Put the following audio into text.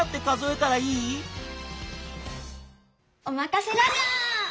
おまかせラジャー！